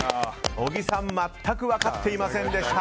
小木さん全く分かっていませんでした。